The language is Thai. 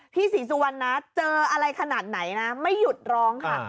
พี่สี่สู่วันนะเจออะไรขนาดไหนไม่หยุดร้องค่ะ